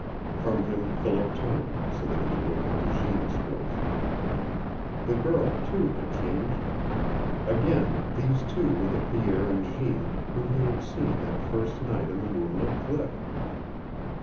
From him Philip turned, so that he could look into Jeanne's face. The girl, too, had changed. Again these two were the Pierre and Jeanne whom he had seen that first night on the moonlit cliff.